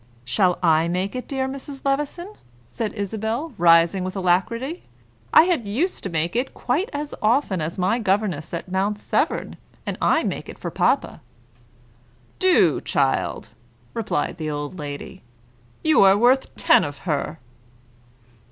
"Shall I make it, dear Mrs. Levison?" said Isabel, rising with alacrity. "I had used to make it quite as often as my governess at Mount Severn, and I make it for papa." "Do, child," replied the old lady. "You are worth ten of her."